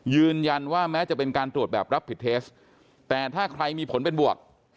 ยืนยันว่าแม้จะเป็นการตรวจแบบรับผิดเทสแต่ถ้าใครมีผลเป็นบวก